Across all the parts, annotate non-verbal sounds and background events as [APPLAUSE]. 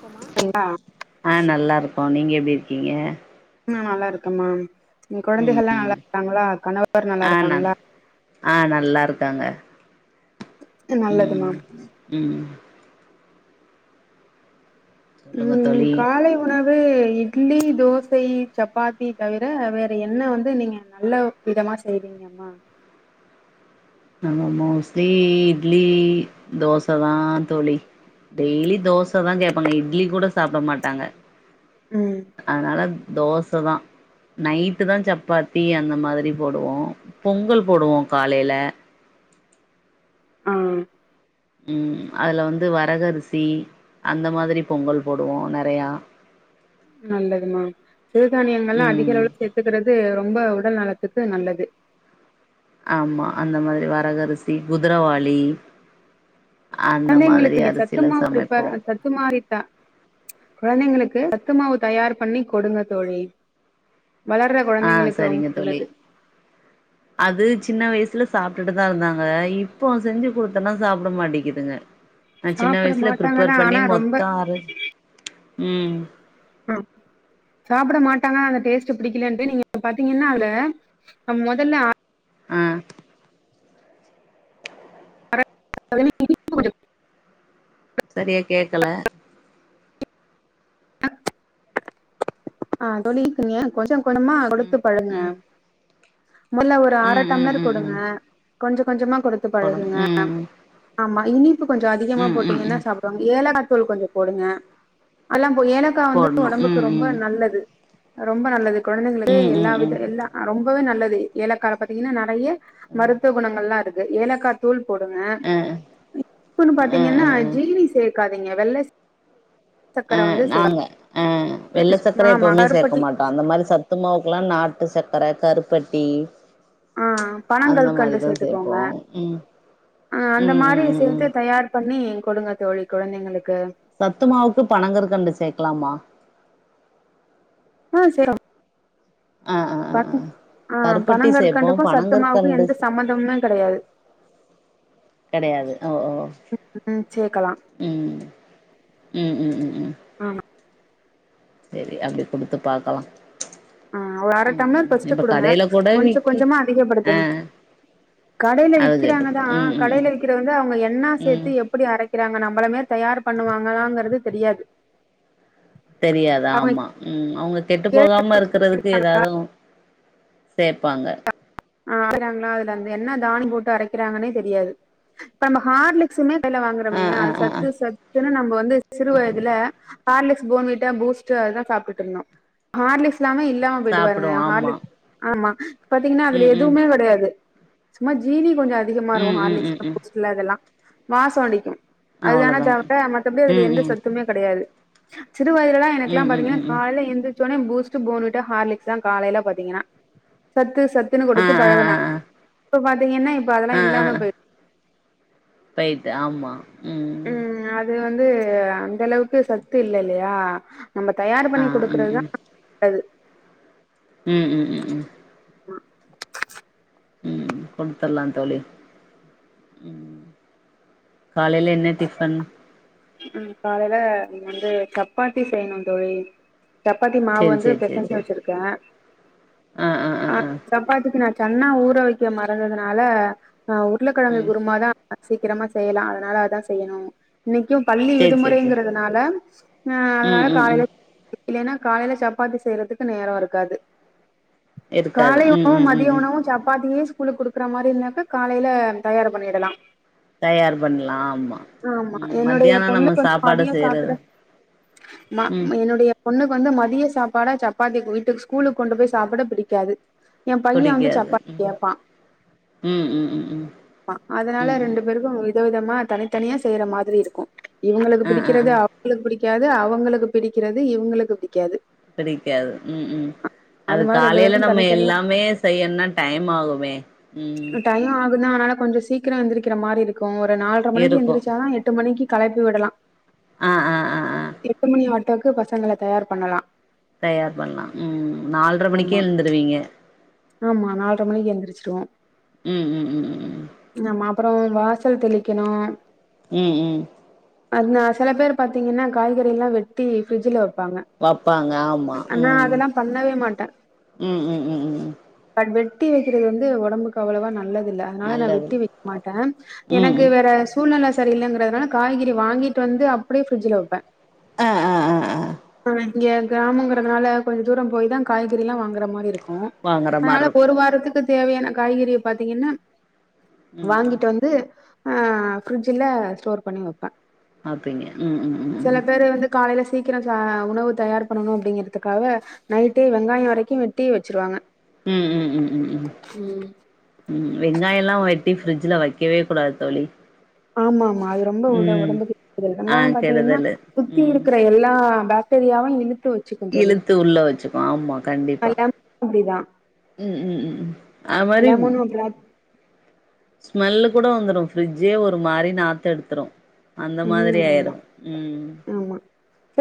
குமா இப்போ நீங்க எப்டி இருக்கீங்க உம் நல்லா இருக்கேமா நீ ம் குழந்தைகள்லாம் ம் நல்லா இருக்காங்களா கணவர் நல்லா ஆ நல் இருக்காங்களா ஆ நல்லா இருக்காங்க ம் நல்லதுமா ம் சொல்லுங்க உம் தோழி காலை உணவு இட்லி தோசை சப்பாத்தி தவிர வேற என்ன வந்து நீங்க நல்ல விதமா செய்வீங்கம்மா நா மோமோஸ் தி இட்லி தோச தான் தோ டெய்லி தோச தான் கேபாங்க இட்லி கூட சாப்பிட மாட் தாங்க ம் அதனால தோச தான் நைட்டு தான் சப்பாத்தி அந்த மாதிரி போடுவோம் பொங்கல் போடுவோம் காலைல ஆஹ் உம் அதுல வந்து வரகரிசி அந்த மாதிரி பொங்கல் போடுவோம் நறையா நல்லதுமா சிறுதானியங்கள்ல்லாம் அதிக ம் அளவு சேத்துக்கறது ரொம்ப ரொம்ப உடல் நலத்துக்கு நல்லது ஆமா அந்த மாதிரி வரகரிசி குதிரவாளி அந்த மாதிரி எங்களுக்கு நீ அரிசில சத்துமாவு சமைப்போ பிரிப்பர் சத்துமாறித்தா குழந்தைங்களுக்கு சத்து மாவு தயார் பண்ணிக் கொடுங்க தோழி வளர்ற ஆஹ் குழந்தைங்களுக்கு ரொம்ப சரிங்க தோழி நல்லது அது சின்ன வயசுல சாப்பிட்டுட்டு தான் இருந்தாங்க இப்போ செஞ்சு கொடுத்தன்னா சாப்பிட மாட்டேக்குதுங்க நான் சின்ன சாப்பிட வயசுல மாட்டாங்கதா ப்ரிப்பேர் பண்ணி ஆனா ரொம்ப மொத்தம் ஆர உம் ஆஹ் சாப்பிட மாட்டாங்க அந்த டேஸ்ட்ட் பிடிக்கலன்ட்டு நீங்க பாத்தீங்கன்னா அதுல மொதல்ல ஆஹ் இனிப்பு கொஞ்சம் சரியா கேக்கல ச ஆ தோலி இருக்குங்க கொஞ்சம் க்கணுமா ம் கொடுத்து பழுங்க ம் முல்ல ஒரு ஆரை ம் டம்லர்ம் ம் மேரு ம் கொடுங்க ம் கொஞ்சம் கொஞ்சமா கொடுத்து போடணு பழகுங்க ம் ஆமா இனி கொஞ்சம் அதிகமா ம் ம் போட்டுீங்கன்னா ம் சாப்பிடுாங்க ஏல சொல் கொஞ்சம் போடுங்க அதல்லாம் ஏலக்கா வந்து போடணு உடம்புக்கு ம் ரொம்ப ம் நல்லது ரொம்ப நல்லது குழந்தைங்களுக்கு ம் ம் எல்லா ம் வித எல்லா ரொம்ப வே நல்லது ஏலக்கல பாத்தீங்கன்னா நிறைய மருத்துவ குணங்கள் எலாம் இருக்கு ஏலக்கா தூள் போடுங்க அ இப்பன்னு அ அ பாத்தீங்கன்னா ஜீனி சேர்க்கா நீங்க வெள்ள சக்கர அஹ் வந்து சேக் நாங்க அஹ் வெள்ள சத் ஆமா எப்பவுமே சேர்க்க கருப்பட்டி மாட்டோம் அந்த மாதிரி சத்துமாவுக்குல்லாம் நாட்டு சக்கரை கருப்பட்டி ஆஹ் அந்த பனங்கல்கண்டு மாரிதா சேப்போ சேர்த்துக்கோங்க ம் அஹ் அந்த ம் மாதிரி ம் ம் சேர்த்து ம் தயார் பண்ணி கொடுங்க தோழி குழந்தைங்களுக்கு சத்துமாவுக்கு பனங்கற்கண்டு சேக்கலாமா [UNINTELLIGIBLE] ஆஹ் ஆஹ் ஆஹ் ஆ கருப்பட்டி சேர்பப்போம் பனங்கற்கண்டுக்கு சத்துமாவுக்கு பனங்கற்கண்டு எந்த சம்மந்தமுமே கெடையாது கிடையாது ஓ ஓ ம் சேக்கலா உம் உம் உம் உம் உம் ஆமா சரி அப்படி குடுத்து பாக்கலாம் ஆஹ் ஒரு அரை டம்ளர் பஸ்ட் குடுங்க கடைல கூட கொஞ்சம் விக்கி கொஞ்சமா ஆ அதிகப்படுத்துங்க கடையில அது சேப்பது விக்கிறாங்கதான் ம் ம் கடையில விக்கிற வந்து அவங்க என்னா ம் ம் சேர்த்து எப்படி அரை இருக்கிறாங்க நம்மளமேரி தயார் பண்ணுவாங்களாங்கறது தெரியாது தெரியாதா அவங்க ஆமா உம் அவங்க கெட்டு கேள் போகாம இருக்கிறதுதுக்கு ஏதாவுதும் சேப்பாங்க ஆஹ் அரைக்காங்களா அதுல வந்து என்ன தானி போட்டு அரைக்கிறாங்கன்னே தெரியாது இப்ப நம்ம ஹார்லிக்ஸுமே [UNINTELLIGIBLE] ஆ வாங்குறமே ஆ அது ஆ ஆ சத்து சத்துன்னு நம்ம வந்து சிறு வயதுல ஹார்லீக்ஸ் போன் வீட்ட பூஸ்ட் அதுதான் சாப்பிட்டு இருந்தோம் ஹார்லெக்ஸ் எல்லாமே இல்லாம போயிட்டு பாருங்க சாப்டுவோ ஆமா ஹார்ல் ஆமா பாத்தீங்கனா ம் அதுலே ம் எதுவுமே கிடையாது சும்மா ஜீனி கொஞ்சம் அதிகமா ம் இரு ம் ம் ஹார்லிக்ஸ்ல ம் பூஸ்ட் அதெல்லாம் வாசம் அடிக்கும் அதுனா அவ்ளோதாங்க தவற மத்தபடி அதுல ம் எந்த ம் சத்துமே கிடையாது [UNINTELLIGIBLE] சிறு வயதுலலாம் எனக்கு ம் எல்லாம் ம் பாத்தீங்கன்னா ம் ம் கால எந்து பூட்ஸ் போன் வீட்டா ஹார்லிகஸ் தான் காலையில பாத்தீங்கா சத்து சத்து ன்னு ஆ கொடுத்து ஆ ஆ பழகுனா ஆ [UNINTELLIGIBLE] தீங்கன்னா இப்ப அதெல்லாம் இல்லாம போய போயட்டு ஆமா ம் உம் அது வந்து வ அந்த அளவுக்கு சத்து இல்ல இல்லையா நம்ம தயார் ஆ பண்ணி கொடுக்கறதுதான்து உம் உம் உம் உம் உம் கொண்டு தரலாம் த ஒளி உம் காலையில் என்ன டிபன் உம் காலையில வந்து சப்பாத்தி செய்யணும் தொழில் [UNINTELLIGIBLE] சப்பாத்தி மாவு சேரி வந்து சேரி சேரி பெசஞ்சு சேரி வச்சிருக்கேன் ஆ ஆ ஆ அஹ் ஆ சப்பாத்துக்கு நா சென்னா ஊற வைக்க மறந்ததுனால ஆஹ் உருளைக்கிழங்க ம் குரும தான் சீக்கிரமா செய்யலாம் அதனால அதான் செய்யணும் இன்னைக்கும் பள்ளி சேரி சேரி சேரி விடுமுறைங்கிறதுனால ம் அதனால ம் ம் காலையில இல்லன்னா காலையில சப்பாத்தி செய்யறதுக்கு நேரம் இருக்காது இருக்காது கால ம் உணவும் ம் ம் மதியம் ம் உணவும் சப்பாத்தியே ல குடுக்குற மாதிரி இருந்தாக்கா காலையில தயார் பண்ணிடலாம் தயார் பண்ணலாம் ஆமா உ மத்தியானம் பொண்ணு கொஞ்சம் அதிகம் சாப்பிட மா ம் என்னுடைய பொண்ணுக்கு வந்து மதிய சாப்பாடா சப்பாத்தி வீட்டுக்கு ஸ்கூலுக்கு கொண்டு போய் சாப்பிட பிடிக்காது என் பையன் வந்து புடிக்காது சப்பாத்தி ம் கேட்பான் ம் ம் ம் அதுனால ம் ம் ரெண்டு பேருக்கும் விதவித மா தனித்தனியா செய்யற மாதிரி இருக்கும் இவங்களுக்கு ஆ ஆ பிடிக்கிறது ஆ அவங்களுக்கு பிடி காது அவங்களுக்கு பிடிக்கிறது இவங்களுக்கு பிடிக்காது பிடிக்காது உம் உம் அது மாரி ரெண்டு காலையில பேருக்கு நம்ம தனித்தனியா எல்லாமே செய்யும்னா டைம் ஆகுமே உம் இருந்தாங்கனால கொஞ்சம் சீக்கிரம் ஏந்தக்கிற மாரி இருக்கு இ ஒரு நாலரை மணிக்கு இருக்கு எந்திரிச்சாதான் எட்டு மணிக்கு கலைப் பி விடலாம் ஆ ஆ ஆ ஆ எட்டு மணி ஆ க்கு பசங்களை தயார் பண்ணலாம் தயார் பண்ணலாம் உம் நாலரை மணிக்கே ஆமா எழுந்துருவீங்க ஆமா நாலரை மணிக்கு எழுந்திரிச்சிருவோம் உம் உம் உம் உம் அப்புறம் வாசல் தெளிக்கணும் உம் உம் அதுன்னா சில பேர் பாத்தீங்கன்னா காய்கறி எல்லாம் வெட்டி ஃப்ரிட்ஜுல வைப்பாங்க ஆமா உம் பண்ணவே மாட்டே உம் உம் உம் பட் வெட்டி வைக்கிறது வந்து உடம்புக்கு அவ்வளோவா நல்லது இல்ல அதுனால நான் நல்லது வெட்டி வைக்க மாட்டேன் ம் எனக்கு வேற சூழ்நிலை ச சரி இல்லங்கறதுனால காய்கறி வாங்கிட்டு வந்து அப்படியே ஃப்ரிட்ஜ்ல வைப்பேன் ஆ ஆ ஆ ஆ உஹம் [UNINTELLIGIBLE] இங்க கிராமங்கிறதுனால கொஞ்சம் தூரம் போய் தான் காய்கறில்லாம் வாங்குற மாரி இருக்கும் வாங்குற அதுனால மார்ருக்கு ஒரு வாரத்துக்கு தேவையான காய்கறிய பாத்தீங்கன்னா ம் ம் வாங்கிட்டு வந்து ஆஹ் ஃப்ரிஜ்ல ஸ்டோர் பண்ணி வைப்பேன் அப்படிங்க உம் உம் உம் வந்து காலையில சீக்கிரம் ச உணவு தயார் பண்ணணும் அப்படிங்கறதுக்காவ நைட்டே வெங்காயம் வரைக்கும் வெட்டி வச்சிருவாங்க உம் உம் உம் உம் ம் உம் வெங்காயம் எல்லாம் வெட்டி ஃப்ரிட்ஜ்ல வைக் வைக்கவே கூடாது தோழி ஆமா அம்மா அது ரொம்ப உட ம் ஒடம்புக்கு கேடுதலு ஆ தாங்க பாத்தீங்கன்னா கெடுதலு சுத்தி இருக்கிற எல்லா பாக்டீரியாவ இலுத் இலுத்து உள்ள வச்சுக்கோ ஆமா கண்டிப்பா லெமனு அப்டிதா உம் உம் உம் அமரின் லெமனு அப்டிதா ஸ்மெல்லு கூட வந்துடு ஃபிரிட்ஜே ஒரு மாரி நாத்த எடுத்துரு அந்த மாரி ம் ஆமா ஆயிரு உம் ஆமா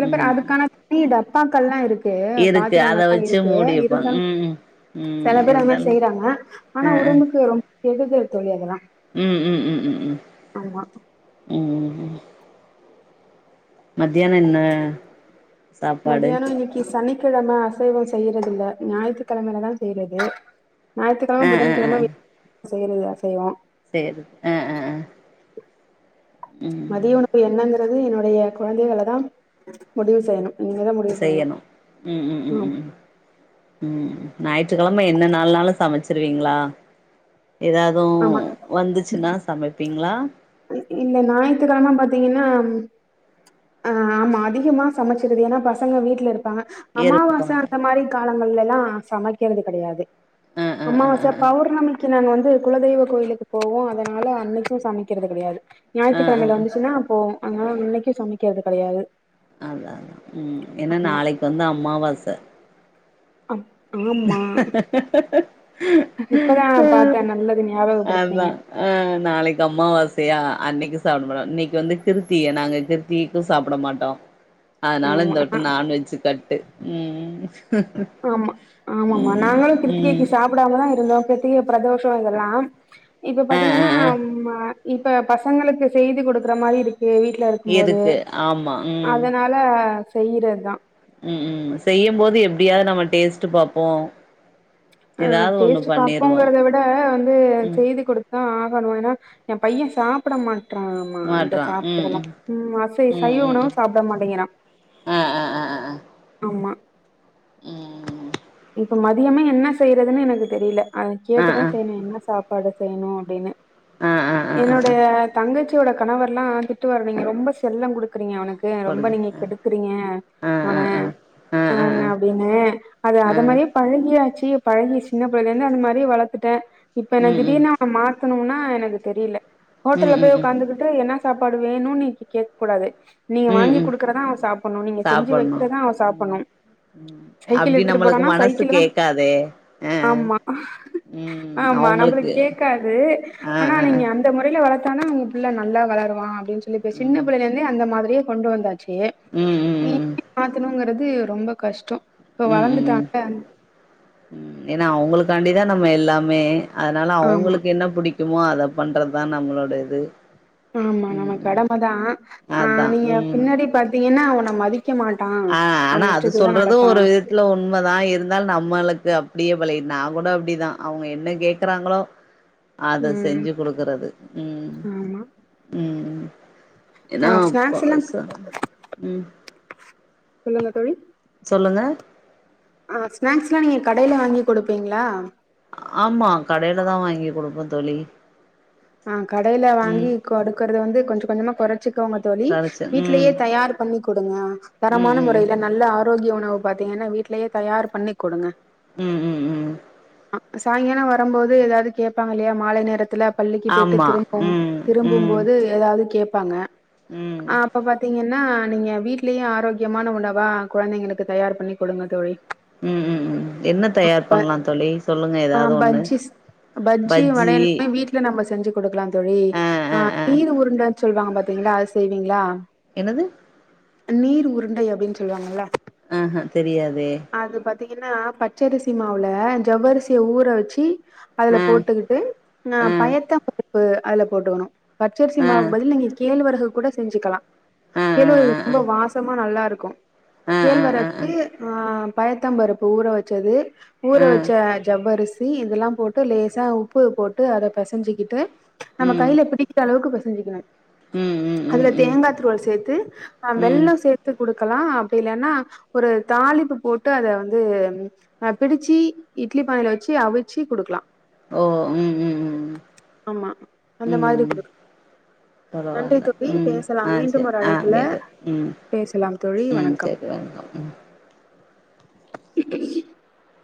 உம் பாக்கெல்லா இரு க்கே பாத்துறங்கல்லா இருக்கு மூடி வைப்பாங்க இருந்தாலு ம் ம் சில ம் பேர் அது மாரி இருந்தாலு செய்றாங்க ஆனா ஒடம்புக்கு ரொ கெடுதல் தோழி அதல்லா உம் உம் உம் உம் உம் உம் மத்தியான என்ன சாப்பாடு க்கிழம அசைவ செய்யறது இல்ல ஞாயிற்றுக்கிழமையிலதா செய்றது ஞாயிற்றுக்கிழம ஆ புதன்கிழம வெ செய்றத செய்வோ செரி ஆஹ் ஆஹ் ஆஹ் [INAUDIBLE] மதிய உணவு என்னங் கது என்னுடைய குழந்தைகலதா முடிவு செய்யணு இனிமேதா முடிவு செய்யணு உம் உம் உம் ம் உம் உம் ஞாயிற்றுக்கிலம என்ன நாள்னாலு சமச்சிருவீங்களா ஆமா சமைப்பீங்களா இல்ல ஞாயித்துக்கிழம பாத்தீங்கன்னா ஆஹ் ஆமா அதிகமா சமைச்சிருவேனா பசங்க வீட்ல இருப்பாங்க அமாவாச இருப்பாங்க அந்த மாரி காலங்கள்ல தா சமைக்கிறது கெடையாது ஆ ஆ ஆ ஆ அம்மாவாச பௌர்ணமிக்கு நானு வந் குலதெய்வ கோயிலுக்கு போவோ அதனால அன்னிக்கு சமைக்கிறது கெடையாது ஆ ஆ ஆ ஞாயிற்றுக்கிழமையில வந்துச்சின்னா அப்போ அங்காலா இன்னிக்கு சமைக்கிறது கிடையாது அதா அதா உம் ஏன்னா நாளைக்கு வந்து அம்மாவாச ஆம் ஆம்மா இப்பதா பாத்த நல்லது நியாப அதா ஆஹ் நாளைக்கு அம்மாவாசையா அன்னிக்கு சாப்பிட மாட்டோ இன்னிக்கு வந்து கிருத்திய நாங்க கிருத்திகைக்கு சாப்பிட மாட்டோ அதனால ஆமா இந்த ஆ வட்ட நான்வெஜ் கட்டு ம் ம் ம் ஆமா ஆமாமா நாங்களும் ம் கிருத்திகேக்கு சாப்பிடாமதான் இருந்தோம் அதிக பிரதோஷம் இதெல்லாம் இப்போ ஆ ஆ பாத்தீங்கன்னா ஆ இப்ப பசங்களுக்கு செய்து கொடுக்குற மாரி இருக்கு வீட்ல இருக்கும் போது இருக்கு ஆமா அதனால செய்யுறதான் உம் உம் செய்யும் போது எப்படியாவது நம்ம டேஸ்ட் பாப்போம் அஹ் டேஸ்ட் பாப்போங்கறத விட வந்து ம் செய்து கொடுத் துதான் ஆகணும் ஏன்னா என் பையன் சாப்ட மாட் ரான் மா அந்த மாட்றா ம் சாப்டதெல்லாம் ம் உ அசை ம் சைவ ம் ம் உணவு சாப்ட மாட்டேங்கனா ஆ ஆமா உம் இப்ப மதியமே என்ன செய்றதுன்னு எனக்கு தெரியல அதை ஆ ஆ கேட்டுதான் செய்ணும் என்ன சாப்ப பாடு செய்யணும் அப்டின்னு ஆ ஆ ஆ ஆ ஆ என்னுடைய தங்கசி சோட கணவர்ல்லாம் திட்டு வரீங்க ரொம்ப செல்லம் கொடுக் றீங்க அவனுக்கு ரொம்ப கொடுங்க நீங்க கெடுக்குறீங்க ஆ ஆ அவன ஆ ஆ என்ன அப்டினு ஆ அது மாரி பழகிய யாச்சு பழகி சின்னபிள்ளைல இருந்துஅந்த மாரி வளத்துட்டேன் இப்ப ம் ம் என்னதிடீர்னு அவன மாத்தனும்னா ஆ எனக்கு தெரில ஹோட்டல்ல ம் ம் போய் ம் உகாந்துட்டு என்னா சாப்பாடு வேணும்னு நீக்கு கேக்க கூடாது நீங்க ம் வாங்கி ம் குடுக்கறதான் அவ சாப்பிடும் நீங்க செஞ்சு சாப்பட்ணு வைக்கிறதான் அவ ம் சாப்ணும் ம் அப்டி எடுத்து நம்மளுக்கு போனனா மனசு சைக்கிள் தான் கேக்காதே ஆ ஆ ஆமா ம் ஆமா நம்மளுக்கு அவுங்களுக்கு கேக்காது ஆ ஆனா ஆ ஆ நீங்க அந்த மொறையில வளத்தானா புள்ள நல்லா வளருவான் சொல்லி ம் சின்ன பிள்ளைலந்தே மாரியே கொண்டு வந்தாச் சு ம் ம் ம் மாத்தணுங்கிறது ரொம்ப கஷ்டம் உம் உம் உம் உம் ஏன்னா அவுங்களுக்கு காண்டிதாக நம்ம எல்லாமே அதனால் ஆமா அவங்களுக்கு என்ன பிடிக்கும் முக்குமோ அதை பண்றதுதான் நம்மளோட இது ஆமா ம் நம ம் கடமைதான் ஆஹ் அதா நீங்க பின்னாடி பாத்தீங்கன்னா நம்ம அதிக ஆஹ் ஆனா அது சொல்றதும் ஒரு விதத்துல உண்மைதான் இருந்தால் நம்மளுக்கு க்கு அப்படியே பழ நான் கூட அப்படிதான் அவங்க என்ன கேக்குறாங்களோ அத ம் செஞ்சு குடுக்குறது உம் ஆமா உம் உம் ஏன்னா ஆ ஸ்நாக்ஸ் எல்லா அப்பாச உம் சொல்லண்ணா தோழி சொல்லுங்க ஆஹ் ஸ்நாக்ஸ் எல்லாம் நீங்க கடையில வாங்கி கொடுப்பீங்களா ஆமா கடையில தான் வாங்கி கொடுப்போம் தோழி ஆஹ் கடையில ம் வாங்கி அடுக்குறது வந்து கொஞ்ச கொஞ்சமா குறைச்சுிக்கவங்க தோழி கரச்சு ம் வீடலயே தயார் பண்ணி கொடுங்கா ம் தரமான ம் முறையில நல்ல ஆர ஆரோக்கிய உணவு பாத்தீங்கன்னா வீடலேயே தயார் பண்ணி கொடுங்க உம் உம் உம் சாயங்காலம் வரும்போது ஏதாவது கேட்பாங்க இல்லையா மாலை நேரத்துல பள்ளிக்குப் போயட்டு ஆமா ம் ம் திரும்பும்போது ஏதாவது கேப்ப பங்க ம் ஆஹ் அப்ப பாத்தீங்கன்னா ஏனா நீங்க வீட்லயும் ஆரோக்கியமான உணவா குழந்தைங்களுக்கு தயார் பண்ணி கொடுங்க தொழில் உம் உம் உம் என்ன தயார் பண்ணலாம் தோழி சொல்லுங்க ஆ ஏதாவது ஒண்ணு பஜ்ஜிஸ் வட பஜ்ஜி எல்லாமே வீட்ல செஞ்சு கொடுக்கலாம் தொழி ஆ ஆ ஆஹ் ஆ நீர் உருண்டந்து சொல்லுவாங்க பாத்தீங்களா அது செய்வீங்களா என்னது நீர் உருண்டை குருண்டை அப்படின்னு சொல்லுவாங்கல்ல ஆஹ்ஹ தெரியாதே பார்த்தீங்கன்னா பச்சரிசி மாவுல ஜவ்வரிசிய ஊரை வச்சு அதுல ஆ போட்டுக்கிட்டு ஆ அஹ் பயத்த உப்பு அது போட்டுக்கணும் ஆ பரிசயமாக பிடி நீங்க கேள்வரகு இப்போது கூட செஞ்சுக்கலாம் ஆ ஆ ஆ கேழ்வரகு ஆ இது ஆ ரொம்ப வாசமா நல்ல இருக்கும் இருக்கும் ஆ ஆ ஆ கேழ்வரது ஆஹ் பயத்தம்பருப்பு ஊற வச்சது ஊற ஆ வச்ச ஜவ்வரிசி இதெல்லாம் போட்டு லேசா போட்டு அரை பசஞ்சுக்கிட்டு நம்ம கையில பிடிக்கிற அளவுக்கு செஞ்சிக்கணும் உம் உம் உம் தேங்காய் துருவள் சேர்த்து ஆஹ் வெள்ளம் சேர்த்து குடுக்கலாம் அப்படி இல்லன்னா ஒரு தாலிப்பு போட்டு அத வந்து பிடிச்சு இட்லி பானையில வச்சு அவிச்சு குடுக்கலாம் ஓ ம் ம் ம் ஆமா அந்த மாதிரி கோடுக்கலாம் தொளவால்ல உம் ஆஹ் சரி ஒரு ஆஹ் அழைப்புல மீது உம் பேசலாம் உம் சரி வெங்கம் உம் இ [INAUDIBLE]